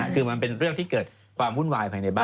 คือมันเป็นเรื่องที่เกิดความวุ่นวายภายในบ้าน